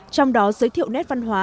trong đó giới thiệu nét văn hóa